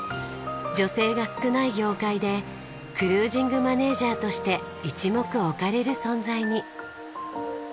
女性が少ない業界でクルージングマネジャーとして一目置かれる存在に。